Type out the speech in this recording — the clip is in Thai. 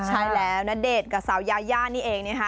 ใช่แล้วณเดชน์กับสาวยาย่านี่เองนะคะ